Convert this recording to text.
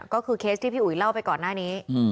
ก็คือเคสที่พี่อุ๋ยเล่าไปก่อนหน้านี้